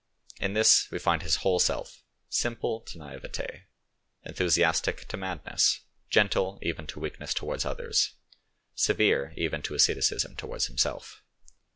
In it we find his whole self, simple to naivete, enthusiastic to madness, gentle even to weakness towards others, severe even to asceticism towards himself.